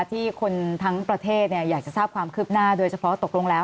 ที่คนทั้งประเทศอยากจะทราบความคืบหน้าโดยเฉพาะตกลงแล้ว